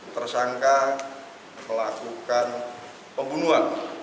tersangka melakukan pembunuhan